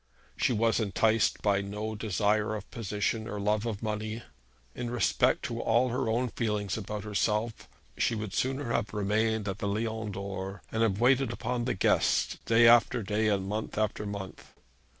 She was enticed by no desire of position, or love of money. In respect to all her own feelings about herself she would sooner have remained at the Lion d'Or, and have waited upon the guests day after day, and month after month.